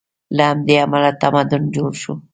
له همدې امله تمدن جوړ شو.